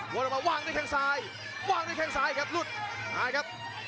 วนออกมาว่างด้วยแข้งซ้ายว่างด้วยแข้งซ้ายครับหลุดหายครับ